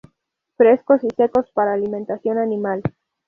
Frescos y secos para alimentación animal.